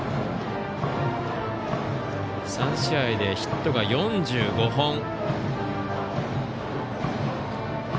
３試合でヒットが４５本。